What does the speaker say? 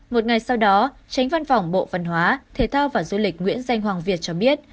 một ngày sau đó tránh văn phòng bộ văn hóa thể thao và du lịch nguyễn danh hoàng việt cho biết